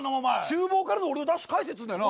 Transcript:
厨房からの俺のダッシュ返せっつうんだよな。